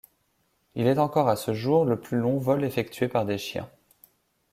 Il est encore à ce jour le plus long vol effectué par des chiens.